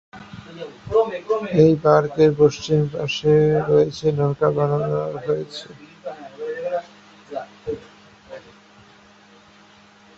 এই পার্কের পশ্চিম পাশে রয়েছে নৌকা বানানো হয়েছে।